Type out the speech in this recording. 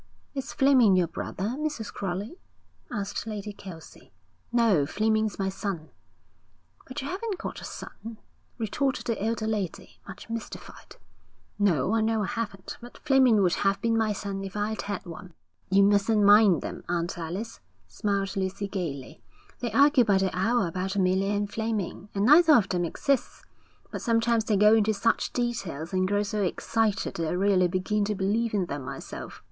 'Is Fleming your brother, Mrs. Crowley?' asked Lady Kelsey. 'No, Fleming's my son.' 'But you haven't got a son,' retorted the elder lady, much mystified. 'No, I know I haven't; but Fleming would have been my son if I'd had one.' 'You mustn't mind them, Aunt Alice,' smiled Lucy gaily. 'They argue by the hour about Amelia and Fleming, and neither of them exists; but sometimes they go into such details and grow so excited that I really begin to believe in them myself.'